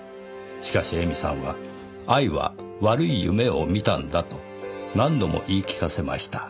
しかし絵美さんは「愛は悪い夢を見たんだ」と何度も言い聞かせました。